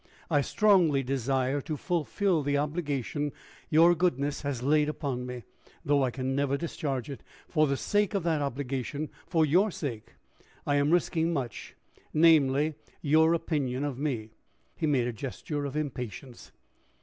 I strongly desire to fulfill the obligation your goodness has laid upon me, though I can never discharge it. For the sake of that obligation for your sake, I am risking much namely, your opinion of me." He made a gesture of impatience.